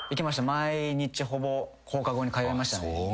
毎日ほぼ放課後に通いましたね。